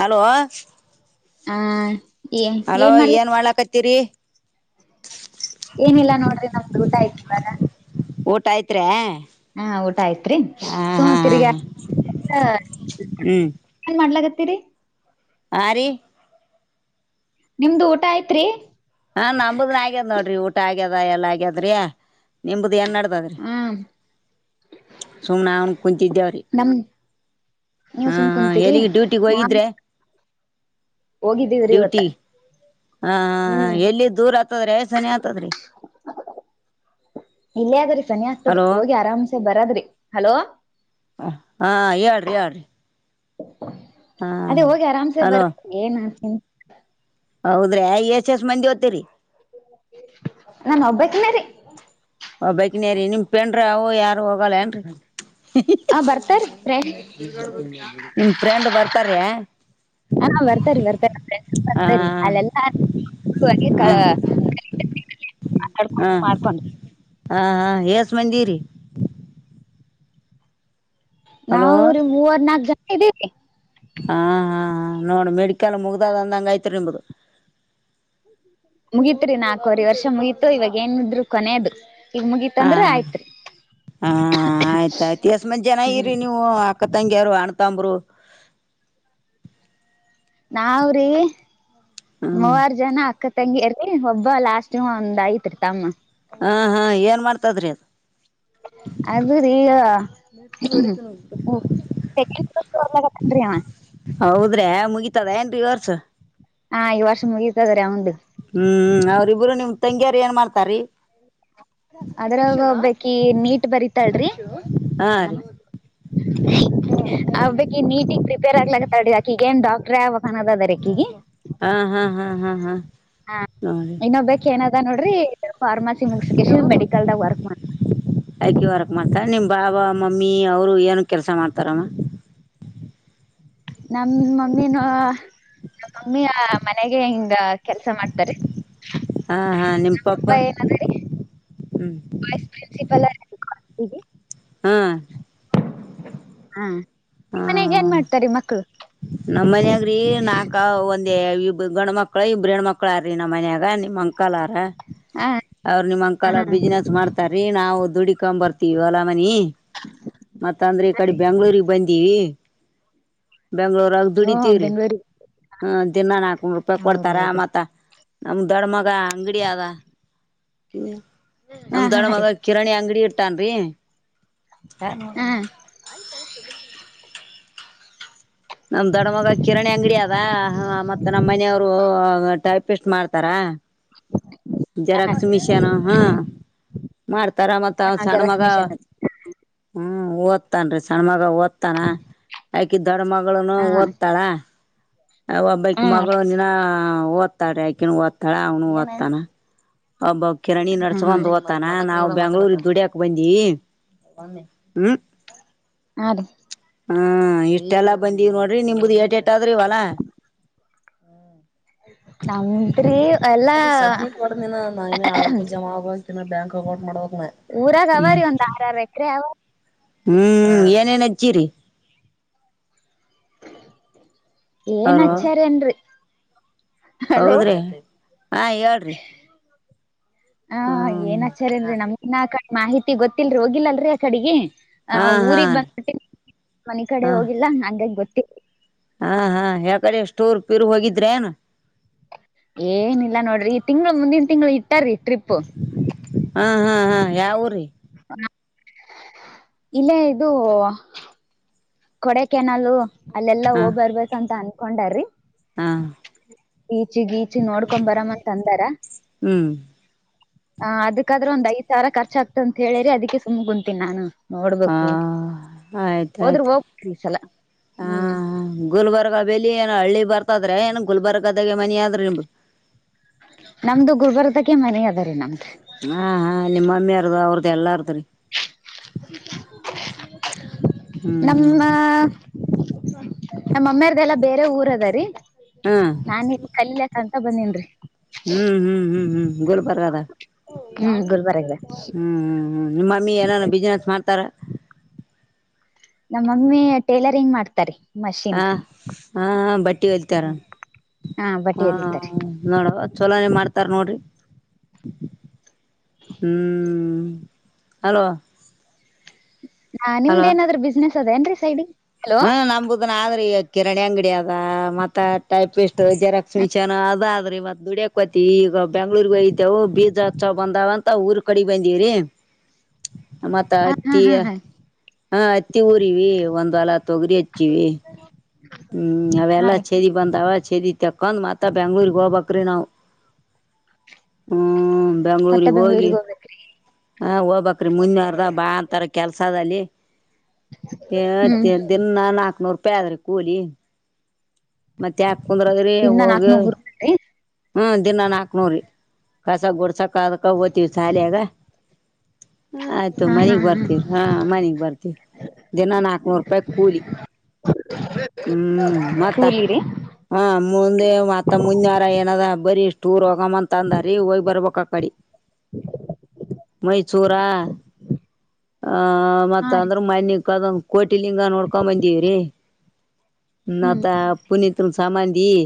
Hello ಹಾ ಏ hello ಏನ್ ಮಾಡ್ಲಕತ್ತ [inaudible] [inaudible] ಏನಿಲ್ಲ ನೋಡ್ರಿ ನಮ್ದು ಊಟ ಆಯ್ತಿಲ್ವ [inaudible] ಊಟ ಆಯ್ತ್ [inaudible] ಹಾ ಊಟ ಆಯತ್ರಿ ಸುಮ ತಿರ್ಗ [inaudible] ಏನ್ ಮಾಡ್ಲಾಗತ್ತೀರಿ [inaudible] ಆ ರೀ [unintelligible] ನಿಮ್ದು, ಊಟ ಆಯತ್ರಿ! [inaudible] ಹಾ, ನಂಬುದ್, ಆಗ್ಯದ್, ನೋಡ್ರಿ! ಊಟ ಆಗ್ಯದ, ಎಲ್ಲ, ಆಗ್ಯದ್ರಿ, ನಿಮ್ದ. [inaudible] ಏನುನಾಡುದರಿ, ಹ್ಮ್ ಸುಮ್ನೆ! ಅವನ, ಕುಂತಿದ್ದೇವ್ರೀ. [inaudible] ನಮ್ ನೀವ್ ಹಾ, ಸುಮ್ ಹ, ಕುಂತೀರಿ ಎಲ್ಲಿಗೆ! ಡ್ಯೂಟಿಗೆ, ನಾವ್ ಹೋಗಿದ್ರ [inaudible] ಹೋಗಿದ್ದೀವ್ರಿ ಇವತ್ತ ಡ್ಯೂಟಿ, ಹ, ಹ್ಮ್ ಎಲ್ಲಿ? ದೂರ, ಆತದ್ರ, ಸನ, ಆತದ್ರಿ. [inaudible] ಇಲ್ಲೇ ಅದೇರಿ. [inaudible] ಚನಿ, ಆಗ್ತದೇ, ಹಲೋ ಹೋಗಿ ಆರಾಮ್ಸೆ, ಬರುದ್ರಿ, ಹಲೋ? ಹಾ [inaudible] ಹೇಳ್ರಿ ಹೇಳ್ರಿ ಹಾ ಅದೇ, ಹೋಗಿ, ಆರಾಮ್ಸೆ! ಹಲೋ ಬರ್ ಏನ್ ಮಾಡಡ್ತೀನಿ. [inaudible] ಹೌದ್ರಿ, ಎಷ್ಟ, ಎಸ್ಟ್, ಮಂದಿ, ಓಗುತೀರಿ. [inaudible] ನಾನು, ಒಬ್ಬಕಿನೀರಿ. [inaudible] ಬೈಕ್ ನಾರಿ, ನಿಮ್, ಫ್ರೆಂಡು! ಅವು, ಯಾರು ಹೋಗಲ್ಲ, ಏನ್ರಿ? ಆ ಬರ್ತಾರಿ ಫ್ರೆಂಡ್ [inaudible] ನಿಮ, ಫ್ರೆಂಡ್, ಬರ್ತಾರ... [unintelligible] ಹಾ, ಬರ್ತರಿ, ಬರ್ತಾರ, ಆ ಬರ್ತರಿ, ಅಲ್ಲೆಲ್ಲ? [unintelligible] ಹಾಂಗೆ, ಕಲ್ಲ. [unintelligible] ಹಾ, ಹಾ, ಹಾ ಎಸ್ಟು, ಮಂದಿರಿ. [inaudible] ಹಲೋ ನಾವ್ರೀ, ಮೂವರ್, ನಕ್, ಜನ, ಇದ್ದೀರಿ. [unintelligible] ಹಾ, ಹಾ ನೋಡು ಮೆಡಿಕಲ್ ಮುಗ್ದದ ಅಂದಂಗ, ಆಯ್ತು, ನಿಮ್ದು. [inaudible] ಮುಗಿತ್ರಿ, ನಾಲ್ಕವರೆ ವರ್ಷ ಮುಗೀತು ಇವಾಗ ಏನಿದ್ರು, ಕೊನೆಯದು? [unintelligible] ಮುಗಿತ್, ಹಾ ಅಂದ್ರೆ ಆಯ್ತ್ರಿ! [unintelligible] ಹಾ, ಆಯ್ತಾಯಯ್ತು, ಎಸ್ಮತ್, ಚನ್ನಗಿರಿ, ನೀವು ಅಕ್ಕ, ತಂಗಿಯಾರು. [inaudible] ತಕೊಂಡುಬರೋ.. [unintelligible] ನಾವ್ರಿ, ಹ್ಮ್ ಮೂವರ್, ಜನ, ಆಕತ್. [unintelligible] ಅಕ್ಕ, ತಂಗಿರಿಗೆ, ಒಬ್ಬ, ಲಾಸ್ಟ್! ಒಂದ್ ಆಯ್ತೂರಿತಮ್ಮ [inaudible] ಹಾ, ಹಾ, ಏನ್! ಮಾಡ್ತದ್ರಿ, ಅದು? [inaudible] [unintelligible] [inaudible] ಅಧೂರಿ.. [unintelligible] ಮುದ್ದೆಗೆ.. [unintelligible] ಹೌದ್ರೆ, ಮುಗಿತದ, ಏನ್ರಿ, ಈ, ವರ್ಷ. [unintelligible] ಹಾ, ಈ, ವರ್ಷ, ಮುಗತದೇ! [unintelligible] ಹ್ಮ್, ಹ್ಮ್ಮ್,, ಅವ್ರಿಬ್ರು ನಿಮ್ ತಂಗಿಯಾರ ಏನ್ ಮಾಡ್ತಾರಿ? [inaudible] ಹಾ ಏನಮ್ಮ, ರೀ ಬೇಕು! [unintelligible] ಈ, ನೀಟಗ್ ಪ್ರಿಪೇರ್ ಹಾಕ್ಲಿಲಿಯನ್, ಡಾಕ್ಟರು, ಹಾಗುಬೇಕು. [unintelligible] ಹಾ, ಹಾ, ಹಾ, ಹಾ, ಹಾ. [inaudible] ಹಾ, ನೋಡಿ ಇನ್ನು ಬೇಕು, ಏನದ ನೋಡ್ರಿ! Pharmacy ಮುಗಸಿಕ, ಮೆಡಿಕಲ್ದಾಗ, work. [inaudible] ಹ. [inaudible] ಐಕಿ, ವಾರಕ್, ಮಾಡ್ತಾರೆ ನಿಮ್ಮ! ಬಾಬಾ ಮಮ್ಮಿ ಅವರು, ಏನು, ಕೆಲಸ ಮಾಡ್ತಾರಮ್ಮ? [inaudible] ನಮ, ಮಮ್ಮಿನೂ, ಮಮ್ಮಿಯ, ಮನೆಗೆ, ಹೆಂಗ. [inaudible] ಕೆಲ್ಸ, ಮಾಡ್ತಾರೆ! ಹಾ ಹಾ ನಿಮ್ ನಮ್ಮ ಪಪ್ಪ, ಏನಾದಾರಿ? ಹ್ಮ್ [unintelligible] ವೈಸ್, ಪ್ರಿನ್ಸಿಪಲ್. [unintelligible] ಹ್ಮ್. [unintelligible] ಹ್ಮ್ಮ್, ಮನೆಗೆ, ಏನ್ ಮಾಡ್ತಾರೆ! ಮಕ್ಕಳು? [inaudible] ಹೇ, ಇಬ್ಬರು ಗಂಡು ಮಕ್ಕಳು, ಇಬ್ಬರು ಹೆಣ್ಮಕ್ಳಾರ್ರಿ! ನಮ್ಮ, ಮನ್ಯಾಗ, ನಿಮ್ ಅಂಕಾಲಾರ. [inaudible] ಹ. [inaudible] ಅವ್ರರು, ನಿಮ್, ಅಂಕಾಲ, ಬಿಸ್ನೆಸ್, ಮಾಡ್ತಾರ್ರೀ! ನಾವು, ದುಡಕೊ, ಬರ್ತೀವಿ, ಅಲ್ಲ ಮನಿ. [inaudible] ಮತ್ತ, ಅಂದ್ರೆ! ಈ ಕಡೆ ರೀ ಬೆಂಗ್ಳೂರಿಗೆ,, ಬಂದೀ? [inaudible] ಬೆಂಗ್ಳೂರಾಗ, ಹೋ ದುಡಿತೀವ್ರರಿ! ಬೆಂಗ್ಳೂರಿಗ್ ಹ, ದಿನಾ ನಾಲ್ಕನೂರು, ರೂಪಾಯಿ, ಕೊಡ್ತಾರ, ಹೌದೌದು ಮತ್ತ. [inaudible] ನಮ, ದೊಡ್ಡ ಮಗ, ಅಂಗಡಿ ಅದ, ಹು. [inaudible] ಹಾ ನಮ, ಹಾ ದೊಡ್ಡ, ಮಗ ರೀ ಕಿರಣಿ ಅಂಗಡಿ ಇಟ್ಟನ್ರರಿ! [inaudible] ಹ, ಹಾ ನೋಡಮ್ಮ. [unintelligible] ನಮ್ಮ, ದೊಡ ಮಗ ಕಿರಣಿ ಅಂಗಡಿ! ಅದ ಮತ್ತತ್, ನಮ್ಮ್, ಮನೆಯವ್ರು, ಟೈಪಿಸ್ಟ್ ಮಾಡ್ತಾರೆ. [inaudible] [unintelligible] ಹಾ ಜರಾಕ್ಸ್ ಮಿಶನ್ ಹ ಮಾಡ್. ತರ ಮತ್ತ ಸಣ್ಣ ಜೆರಾಕ್ಸ್ ಮಗ ಮಿಷನ್ ಅದ. ಹ್ಮ್ಮ್. ಹ್ಮ ಓದ್ತನ್ರಿ ಸಣ್ಣ ಮಗ ಓದ್ತಾನ ಆಕಿ ದೊಡ್ಡ ಮಗ. ಳನು ಹಾ ಓದ್ತಾಳ ಒಬ್ಬಕಿ ಮಗಳ ಇನ್ನ. ಹಾ ಒತಳರಿ ಆಕಿನು ಒತ್ತಾಳ ಅವನು ಒತ್ತಾನ [unintelligible] ಕಿರಣಿ ಹಾ ನಡ್ಸ್ಬಂದ್ ಓದ್ತಾನ ನಾವು. ಬೆಂಗ್ಳೂರಿಗ ದುಡಿಯಕ ಬಂದಿ [unintelligible] ಹ್ಮ. ಹಾ ರೀ. ಹ್ಮ ಇಷ್ಟೆಲ್ಲಾ ಬಂದಿವ ನೋಡ್ರಿ ನಿಮ್ದ ಏಟ ಏಟ ಆದ್ರಿ ಹೊಲ ಹ. ನಾವು ರಿ - ಅದ ಸಬ್ಮಿಟ್ ಹೊಡದನ ನಾ ಇನ್ನ ಆ [unintelligible] ಜಮಾ ಅಗವತ ಇನ್ನ ಬ್ಯಾಂಕ್ ಅಕೌಂಟ್ ಮಾಡಬೇಕ ನಾ. ಊರಾಗ ಅವ ರೀ ಒಂದ್ ಆರ ಆರ ಎಕರೆ ಅವ. ಹ್ಮ್ ಏನೇನ್ ಹಚ್ಚಿರಿ. ಏನ್ ಹಲೋ ಹಚ್ಚರ ಏನ ರಿ. ಹೌದ್ರಿ ಹಾ ಹೇಳ್ರಿ. ಹ ಏನ್ ಹ್ಮ ಹಚ್ಚರ ಏನ ರಿ ನಮಗ ನಾ ಆ ಕಡೆ ಮಾಹಿತಿ ಗೊತ್ತಿಲ್ರಿ ಹೋಗಿಲ್ಲಲ್ರರಿ ಆ ಕಡಿಗಿ. ಆ ಹಾ ಹಾ ಊರಿಗ ರೀ ಬಂದ ಬಿಟ್ಟಿವ ಮನಿ ಕಡೆ ಹಾ ಹೋಗಿಲ್ಲ ಹಂಗ ಹಾಗಿ ಗೋತ ಇಲ್ಲ ರಿ. ಹಾ ಹಾ ಹೇ ಕರಿ ಸ್ಟರ ಪಿರ್ ಹೋಗಿದ್ರೆ ನ್. ಏನಿಲ್ಲ ನೋಡ್ರಿ ತಿಂಗಳ ಮುಂದಿನ ತಿಂಗಳ ಇಟ್ಟಾರಿ ಟ್ರಿಪ್ಪು. ಹಾ ಹಾ ಹಾ ಯಾವ ಊರ ರಿ. ಇಲ್ಲೇ ಇದು ಕೊಡೆ ಕೆನಾಲ್ ಲು. ಅಲ್ಲೆಲ್ಲಾ ಹಾ ಹೋಗ್ ಬರ್ಬೇಕ ಅಂತ ಅನ್ಕೊಂಡಾರ್ರಿ. ಹಾ. ಬೀಚ್ ಗೀಚ ನೋಡ್ಕೊಂಡ್ ಬರಮಂತ ಅಂದಾರ ಹ್ಮ್ ಆ ಅದಕ್ಕಾದ್ರು ಒಂದ್ ಐದ. ಸಾವಿರ ಖರ್ಚ ಅಗತದ ಅಂತ ಹೇಳ್ಯಾರಿ ಅದಕ್ಕೆ ಸುಮ್ಮ್ ಕುಂತಿನಿ ನಾನು. ಹಾ ನೋಡ್ಬೇಕು ಆಯ್ತ ಹೋದ್ರೆ ಆಯ್ತು ಹೋಗ. ಈ ಸಲ ಹಾ ಹ್ಮ್. ಗುಲ್ಬರ್ಗ ಬೆಲಿ ಏನ ಹಳ್ಳಿ ಬರ್ತಾದ್ರೆ ಏನ ಗುಲ್ಬರ್ಗದಾಗೆ ಮನಿ ಆದ್ರ ನಿಮ್ದು. ನಮ್ದು ಗುಲ್ಬರ್ಗ ದಾಗೆ ಮನಿ ಅದ ರೀ ನಮ್ದು. ಹಾ ಹಾ ನಿಮ್ಮ ಮಮ್ಮಿರದ ಅವ್ರದ್ದು ಎಲ್ಲರ್ ದುರಿ. ಹ್ಮ್ ನಮ್ಮ ನಮ್ಮ ಮಮ್ಮಿರದ್ದ ಎಲ್ಲಾ ಬೇರೆ ಊರ್ ಅದರಿ. ಹ್ಮ್ ನಾನಿನ್ ಕಲೀಲೆಕ್ಕ ಅಂತ ಬಂದೀನ್ರಿ. ಹ್ಮ್ ಹ್ಮ್ ಹ್ಮ್ ಹ್ಮ್ ಗೋಲ್ಬರ್ದ. ಹ್ಮ್ ಗುಲ್ಬರ್ಗ ಹ್ಮ್ ಹ್ಮ್ ಹ್ಮ್ ನಿಮ್ ಮಮ್ಮಿ ಎನಾನ ಬ್ಯುಸಿನೆಸ್ ಮಾಡ್ತಾರ. ನಮ್ಮ ಮಮ್ಮಿ ಟೇಲರಿಂಗ್ ಮಾಡ್ತಾರಿ. ಹ ಮಷಿನ್ದ ಹಾ ಹ ಬಟ್ಟಿ ಹೋಲಿತರ ಹಾ ಬಟ್ಟಿ ಹ ಹ ಹೊಲಿತಾರಿ ಹ ನೋಡವ. [unintelligible] ಮಾಡ್ತಾರ ನೋಡ್ರಿ. ಹ್ಮ್ ಹಲೋ. ನಾ ನಿಮ್ದ್ ಏನ ಅದರಿ ಬಿಸ್ನೆಸ್ ಅದ ಏನ್ರಿ ಸೈಡ್ಗಿ. ಹ್ಮ್ ನಮದ ನಾದ್ರಿ. ಕಿರಣಿ ಅಂಗಡಿ ಅದ ಮತ್ತ ಟೈಪ್ಟ್ ಜೆರಾಕ್ಸ್ ಮಿಚನ್ ಅದ ಆದ್ರೀ ಮತ್ತ ದುಡಿಯಕ ಹೋಗ್ತೀವಿ. ಈ ಬೆಂಗ್ಳೂರ್ ಇದ್ದವು ಬೀಜ ಹಚ್ಚ ಬಂದಾವ ಅಂತ ಊರ್ ಕಡಿ ಬಂದವ್ರಿ. ಮತ್ತ ಹಾ ಹಾ ಅತ್ತಿ ಹಾ ಹಾ ಹ ಅತ್ತಿ ಊರಿವಿ ಒಂದ್ ವಲ. ತೊಗರಿ ಹಚ್ಚಿವಿ ಹ್ಮ್ ಹಾ ಅವೆಲ್ಲಾ ರೀ ಛೇದಿ ಬಂದಾವ ಛದಿ ತಕೊಂಡ್ ಮಾತ ಬೆಂಗಳೂರಿಗೆ ಹೋಗ್ ಬೇಕರಿ ನಾವು. ಹ್ಮ ಮತ್ತೆ ಬೆಂಗಳೂರಿಗೆ ಹೋಗಿ. ಬೆಂಗ್ಳೂರಿಗ್ ಹೋಗ್ಬೇಕ್ರಿ ಹ ಹೋಗ್ಬಕ್ರಿ ಮುಂದಿನವಾರದಾಗ ಬಾ ಅಂದಾರ ಕೆಲ್ಸದಲ್ಲಿ. [unintelligible] ಹ್ಮ್ ದಿನಾ ನಾಕನೂರ. ತಪ್ಪೆ ಆದರಿ ಕೂಲಿ ಮತ್ತ ಯಾಕ ಕುಂದರೋದ್ರಿ ದಿನ್ನ ಹೋಗಿ. ನಾಕ್ನೂರ್ ರೂಪಾಯಿ ಹ್ಮ ದಿನ ನಾಕ ನೂರ ರಿ ಕಸ ಗುಡ್ಸಕ ಅದಕ ಹೋಗ್ತೀವ್ರಿ ಶಾಲೆಗ. ಹ ಆಯ್ತ ತೊ ಹಾ ಹಾ ಮನಿಗ್ ಬರ್ತೀವ ಹಾ ಮನಿಗ್ ಬರ್ತೀವಿ ದಿನಾ ನಾಕ್ ನೂರ. ಕ್ಕೂಲಿ. ಹ್ಮ್ ಮತ್ತ ಕೂಲಿ ರೀ ಹ ಮುಂದೆ ಮತ್ತ ಮುಂದಿನವಾರ ಏನ ಅದ. ಬರಿೀ ಟೂರ್ ಹೋಗಮ್ ಅಂತ ಅಂದಾರಿೀ ಹೋಗ ಬರ್ಬ ಆ ಕಡೆ. ಮೈಸೂರ! ಆ ಹಾ ಮತ್ತ ರೀ ಅಂದ್ರೆ ಮನೆ ಕದ ಕೊಟ್ಟ! ಹಂಗ ನೋಡ್ಕೊ ಬಂದೀವ್ರೀ ಹ್ಮ್ ಮತ್ತ ಪುನತ್ ನ ಸಮಾಧಿ ಈ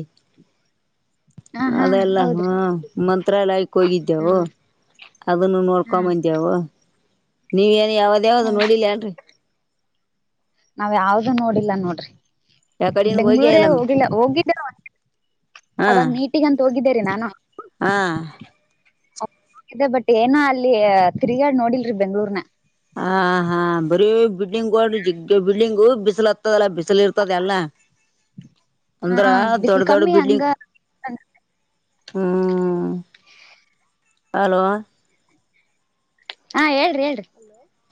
ಹಾ ಹಾ ಅದೆಲ್ಲ ಹಾ ಹೌದ್ರಿ ಮಂತ್ರಾಲಯಕ್ಕೆ ಹೋಗಿದ್ದೆವು. ಹ್ಮ್ ಅದನ್ನು ಹಾ ನೋಡ್ಕೊಂಬಂದೇವು ನೀವ ಏನ್ ಯಾವ್ದ ಯಾವ್ದ ನೋಡಿಲಿ ಏನ್ರಿ! ನಾವ ಯಾವ್ದ ನೋಡಿಲ್ಲ ನೋಡ್ರಿ ಯಾವ ಕಡೆನು ಹೋಗೇ ಬೆಂಗ್ಳೂರ ಇಲ್ಲ ಹೋಗ್ಿಲ್ಲ ಹೋಗಿದ. ಹಾಂ ಅವಾಗ ಮೀಟಿಂಗ್ ಅಂತ ಹೋಗಿದ್ದೇರಿ ನಾನು. ಹಾಂ ದೆ ಬಟ್ ಏನ ಅಲ್ಲಿ ತಿರುಗಾಡ್ ನೋಡಿಲ್ರಿ ಬೆಂಗ್ಳೂರ್ನ. ಹ ಹಾ ಬರೀ ಬಿಲ್ಡಿಂಗ್ ಜಗ್ ಬಿಲ್ಡಿಂಗ್ ಬಿಸಿಲ ಹತ್ತದಲ್ಲ ಬ! ಇರ್ತದೆ ಎಲ್ಲ. ಹಾ ಒಂದ್ರ ದೊಡ್ಡ ಬಿಸ್ಲ್ ದೊಡ್ಡ ಕಮ್ಮಿ ಹಂಗ ಬಿಲ್ಡಿಂಗ್. ಹ ಹಲೋ ಹಾ ಹೇಳ್ರಿ ಹೇಳ್ರಿ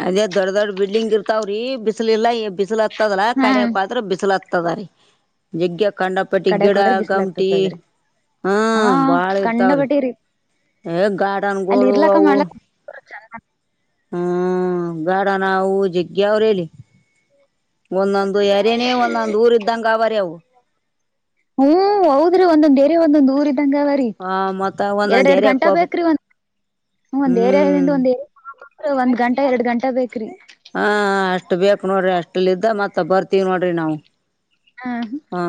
ಅದೇ ದೊಡ್ ದೊಡ್ ಬಿಲ್ಡಿಂಗ್ ಇರ್ತಾವ್ರೀ ಬಿಸಿಲಿಲ್ಲಾ ಬಿಸಿಲು ಹತ್ತದಲ ಹಾ ಕಣಿಯಕ್್ರ ಬಿಸಿಲುಲತ್ತ ದ ರ ಜಗ್ [unintelligible] ಖಂಡಪಟ್ಟಿ ಕಡೆಕ್ ಗಿಡ ಹೋದ್ರ ಬಿಸ್ಲ ಗಮಟಿ ಆಗ್ತತದ್ರಿ ಹಾ ಬಾಳ ಕಂಡ ಇರ್ತಾವ್ರಿ. ಬಟ್ಟಿರಿ ಏ ಗಾರ್ಡನ್ಗಳು ಅವು! ಹ ಹ್ಮ್ ಗಾಡ ನಾವು ಜಿಗ್ಗಿ ಅವ್ರ ಹೇಳಲ್ಲಿ. ಒಂದೊಂದು ಯರನೇ ಒಂದೊಂದ್ ಊರ್ ಇದ್ದಂಗ ಅವರ ಅವು. ಹ್ಮ್ ಹೌದ್ರ ಒಂದೊಂದ ಏರಿಯಾ ಒಂದೊಂದು ಊರು ಂಗಾವರಿ ಆ ಮತ್ತ ಎರಡ್ ಒಂದೊಂದ್ ಎರಡ್ ಎರ್ಯಾಕ್ ಗಂಟಾ ಹೋಗ್ಬೇಕು ಬೇಕ್ರಿ ಒಂದ ಒಂದ್ ಹ್ಮ್ ಏರಿಯಂದ ಒಂದ್ ಗಂಟಾ ಎರಡ್ ಗಂಟ ಬೇಕ್ರಿ. ಹಾ ಅಷ್ಟ್ ಬೇಕಕ್ು ನೋಡ್ರಿ ಅಷ್ಟಲ್ಲ ಇದ ಮತ್ತ ಬರ್ತವಿ ನೋಡ್ರಿ ನಾವವು. ಹ ಹಾ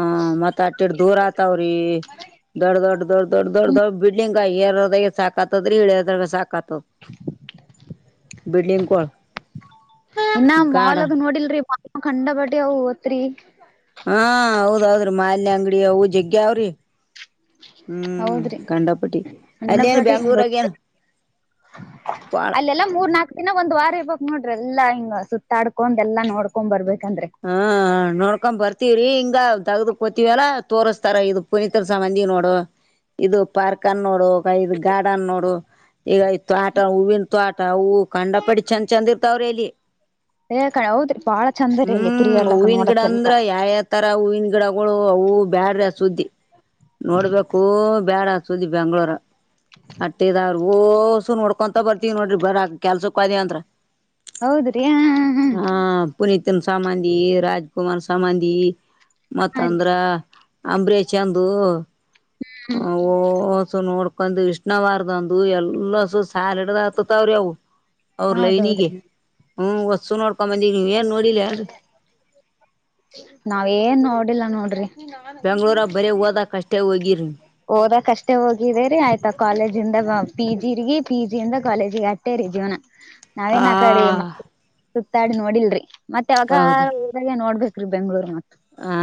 ಮತ್ತ ಆಟಿರ್ ದೂರ ಆತಾವ್ರಿ ದೊಡ್ಡ ದೊಡ್ಡ ದೊಡ್ಡ ದೊಡ್ಡ ದೊಡ್ ದಡ್..... ಬಿಡಿಂಗ್ ಏರಾದ ಸಾಕ ಆತದ್ರೀ ಇಳದ್ರಾಗ ಸಾಕ ಆತದ. ಬಿಲ್ಡಿಂಗ ಕಲ್ ಇನ್ನ ಮಾಲ್ಾಗ ನೋಡಿಲ್ರಿ ಮಾಲ್ ಕಂಡ ಬಟ್ಟಿ ಅ ಓತ್ರಿ ಹಾ ಹೌದ್ೌದ್ರಿ ಮಾಲಿನ್ಯ ಅಂಗಡಿ ಅವು ಜಗ್ಗಗೆ ಅವ್ರಿ. ಹ್ಮ್ ಹೌದ್ರಿ ಂಡಪಟ್ಟಿ ಅಲ್ಲೇನ್ ಕಂಡಪಟಿ ದೊಡ್ಡ ಬೆ್ಯಾಂಗ್ಳೂರಾಗೇನು ಅಲ್ಲೆಲ್ಲಾ ಮೂರ್ ನಾಕು ದಿನ ಒಂದ್ ವಾರ ಇರಬೇಕು ನೋಡ್ರಿ. ್ರ ಎಲ್ಲ ಹಿಂಗ್ ಸುತ್ತಾಡ್ಕೊಂಡ ಎಲ್ಲಾ ನೋಡ್ಕೊಂಡ್ ಬರ್ಬೇಕು. ಹಾ ನೋಡ್ಕೊ್ ಬರ್ತ ಹತಿವ್ರಿ ಹಿಂಗ ತಗ್ದ ಕೊೋತಿವಿಲ್ಲ ತೋರ್ರಿಸಸ್ತಾರ ಇದು ಪುನೀಿತರ ಸಂಬಂಧಿ ನೋಡು. ಇದು ಪಾರ್ಕ್ ಅನ್ ನೋಡು ಇದು ಗಾರ್ಡನ್ ನೋಡು. ಈಗ ತೋಟ ಹೂವಿನ ತೋಟ ಹೂ ಕಂಡ ಪಡಿ ಚಂದ ಚಂದ ಇರ್ತಾವ್ರ ಇಲ್ಲಿ. ಹ ಹೌದ್ರಿ ಬಾಳ ಚಂದ. ರೀ ಅಲ್ಲಿ ಹ್ಮ್ ತಿರ್ಗಾಡ್ಲಕ್ ಹೂವಿನ ಗಿಡ ನೋಡಕ್ಕೆಲ್ಲಾ ಅಂದ್ರ ಯಾವ ಯಾವ ತರ ಹೂವಿನ ಗಿಡ ಮಗಳು ಅವು ಬ್ಯಾಡ್ರ ಸುದ್ದಿ ನೋಡ್ಬೇಕು ಬೇಡ ಸುದ್ದಿ ಬೆಂಗ್ಳೂರ ಅಟ್ಟೆದಾವ್ರ ಓಸು ನೋಡ್ಕೊಂತ ಬರ್ತವಿ ನೋಡ್ರಿ ಬರಕ್ ಕೆಲ್ಸಕ್ ಹೋತ್ರ ಅಂದ್ರ. ಹೌದ್ರಿ ಹ ಹ್ಮ್ ಸಮಾಧಿ ರಾಜಕುಮಾರ್ ಸಮಾಧಿ! ಹಾ ರೀ ಮತ್ತಂದ್ರ ಅಂಬರೀಷ್ ಚಂದು ಓಸು ನೋಡ್ಕೊಂಡು ಇಷ್ಣ ವಾರದಂದು ಎಲ್ಲ ಸು ಹಾಲಡದ ಆತತಾವ್ರೀ ಅವು ಅವ್ರ ಲೈನಿಗೆ ಹೌದೌದ್ರಿ ಹ್ ಹೊಸ್ಸು ನೋಡ್ಕೊ ಬಂದಿ. ಇಲ್ಲ ಹೇಳ್ರಿ. ನಾವ ಏನ್ ನೋಡಿಲ್ಲ ನೋಡ್ರಿ. ಬೆಂಗ್ಳೂರ ಬರೀ ಹೋದ ಕಷ್ಟೇ ಹೋಗಿ ಓದಕ್ಷ್ಟೇ ಹೋಗಿದೇರಿ ಆಯ್ತಾ ಕಾಲೇಜಂದ ಪಿ ಜಿಗ ಪಿ ಜಿಿಂದ ಕಾಲೇಜಿಗೆ ಅಟ್ಟೇರಿ ಜೀವನ ನಾವೇನ್ ಆ ಕಡೆ ಸುತ್ತಾಡಿ ನೋಡಿಲ್ರಿ ಮತ್ತ ಅವಾಗ ಗ ನೋಡ್ಬೇಕ ಬೆಂಗಳೂರು ಮೆ ಹ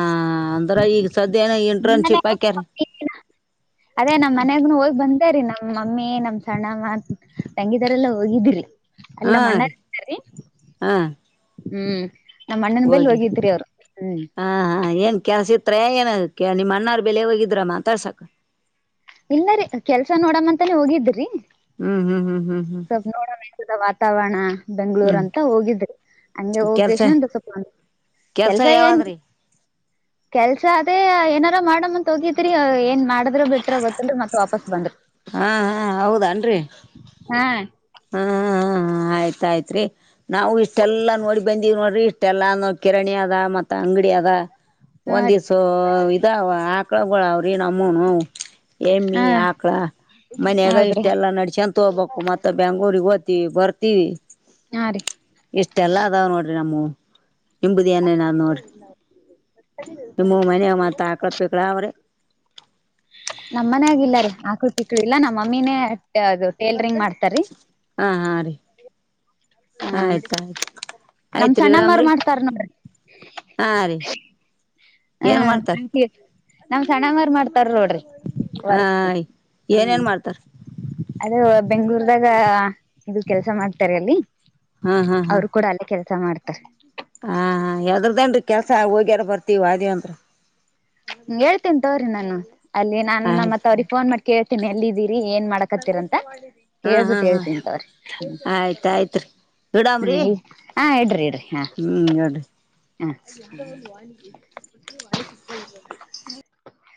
ಅಂದ್ರ ಈಗ ಸದ್ಯ ಏನ ಇಂಟರ್ನ್ಶಿಪ್ ಹಾಕ್ಯಾರ ಅದೇ ನಮ್ಮ್ನ್ಯಾಗನು ಹೋಗ್ ಅಂದರಿ ನಮ್ ಮಮ್ಮಿ ನಮ್ ಸಣ್ಣ ಮತ್ ತಂಗಿದರೆಲ್ಲ ಹೋಗಿದಿರಿ ಹಾ ರೀ ಹಾ ಹ್ಮ್ ನಮ್ಮ ಅಣ್ಣನ ಬೆಲ್ ಹೋಗಿ ಹೋಗಿದರಿ ಅವ್ರು ಹ್ಮ್ ಹತ್ರಯ ಏನದಕ್ಕೆ ನಿಮ್ಮ ಅಣ್ಣಾರ್ ಬೆಲೆ ಹೋಗಿದ್ರ ಮಾತಾಡ್ಸಕ ಇಲ್ಲರಿ ಕೆಲ್ಸ ನೋಡಮ್ಮ ಅಂತಾನೇ ಹೋಗಿದ್ರಿ ಹ್ಮ್ ಹ್ಮ್ ಹ್ಮ್ ಹ್ಮ್ ಹ್ಮ್ ಸ್ವಲ್ಪ ನೋಡೋಣ ವಾತಾವರಣ ಬೆಂಗಳೂರ್ ಹ್ಮ್ ಅಂತ ಹೋಗಿದ್ರೆ ಹಂಗೆ ಹೋಗಿ ಕೆಲ್ಸ ಎಷ್ಟಂಂತ ಸ್ವಪ ಕೆಲ್ಸ ಯಾವಾದ್ರಿ ಕೆಲ್ಸ ಅದೇ ಏನಾರ ಮಾಡಮ್ ಅಂತ ಹೋಗಿದ್ರಿ ಏನ್ ಮಾಡಿದ್ರರು ಬಿಟ್ರ ಗೊತ್ತದ ಮತ್ ವಾಪಸ್ ಬಂದ್ರು ಹಾ ಹಾ ಹೌದನ್ರಿ ಹಾ ಹ್ಮ ಆಯ್ತಾಯ್ತ್ರಿ ನಾವವು ಇಷ್ಟೆಲ್ಲಾ ನೋಡಿ ಬಂದಿವವಿ ನೋಡ್ರಿ ಇಷ್ಟ ಮೆಲ್ಲ ಕಿರಣಿ ಅದ ಮತ್ತ ಅಂಗಡಿ ಅದ ಹಾ ರೀ ಒಂದಿವಸ ಇದ ಹಾಕ ಹಳ ಅವ್ರ ನಮ್ಮನು ಎಮ್ಮಿ ಹಾ ಆಕ ಮನ್ಯಾಗ ಹೌದ್ರಿ ಇಷ್ಟೆಲ್ಲಾ ನಡಸ್ಯ ಅಂತ ಹೋಗ್ಬೇಕು ಮತ್ತ ಬೆಂಗಳೂರಿಗೆ ಓದ್ ವಿ ಬರ್ತೀವಿ ಹಾ ರೀ ಇಷ್ಟೆಲ್ಲ ಅದಾವ್ ನೋಡ್ರಿ ನಮ್ಮ ಹಿಂಬದಿಯನೆನ ನೋರು ನಿಮ್ಮ ಮನ ಮತ್ ಆಕಳಪಕ್ಳ ಅವ್ರೆ ನಮ್ಮ ಮನ ಆಗಲ್ಲಾರಿೀ ಆಕಳ ಪಿಕ್ಳ ಇಲ್ಲಾ ನಮ್ಮಮ್ಮಿನೇ ಅದು ಟೇಲರಿಂಗ್ ಮಾಡ್ತಾರೀ ಹಾ ಹಾ ರೀ ಹ ಆಯ್ತಾಯಯ್ತು ನಮ್ ಆಯ್ತ್ರಿೀ ಸಣ್ಣಮ್ಮರ್ ಗಡಂಬ್ರರಿ ಮಾಡ್ತಾರ ನೋಡ್ರಿ ಹಾ ರೀ ಏನ್ ಹ ಮಾಡ್ತಾರ ನಾವ್ ಸಣ ಮಾರ ಮಾಡ್ತ ತರ್ ನೋಡ್ರಿ ವರ್ಕ್ ಹಾಯ್ ಹ್ಮ್ ಏನೇನ್ ಮಾಡ್ತಾರ ಅದು ಬೆಂಗಗಳೂರ್ದಾಗ ಇದು ಕೆಲ್ಸ ಮಾಡ್ತಾರೆ ಅಲ್ಲಿ ಹಾ ಹಾ ಹಾ ಅವ್ರು ಕೂಡ ಅಲ್ಲೇ ಕೆಲ್ಸ ಮಾಡ್ತಾರೆ ಹಾ ಯದ್ರದನ್ೀ ಕೆಲ್ಸ ಹೋಗ್ಯಾರ ಬರ್ತವ ಆದಿವವಂದ ಹ್ಮ ಹೇಳ್ತೇತೋರಿ ನಾನು ಅಲ್ಲಿ ನಾ ಆಯ್ತ್ ಮತ್ತ ಅವ್ರಿಗೆ ಫೋನ್ ಮಾಡ್ ಕೇಳ್ತೀನಿ ಎಲ್ಲಿದ್ದೀರಿ ಏನ್ ಮಾಡಕತ್ತೀರಂತ ಹಾ ಹಾ ಕೇಳ್ಬಿಟ್ಟು ಹಾ ಹೇಳ್ತೀನ್ಂತವ್ರ ಆಯ್ತ್ ಆಯ್ತ್ರಿ ಇಡಾಮ್ರಿ ಹ್ಮ ಈ ಹ ಇಡ್ರಿ ಇಡ್ರಿ ಹಾ ಹ್ಮ್ ಇಡ್ರಿ ಹ [inaudible]